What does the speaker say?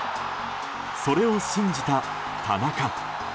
それを信じた田中。